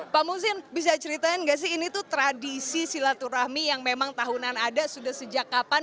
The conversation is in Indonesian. pak musin bisa ceritain nggak sih ini tuh tradisi silaturahmi yang memang tahunan ada sudah sejak kapan